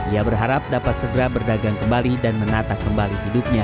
ia berharap dapat segera berdagang kembali dan menata kembali hidupnya